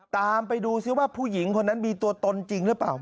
ตามไปดูซิว่าผู้หญิงคนนั้นมีตัวตนจริงหรือเปล่า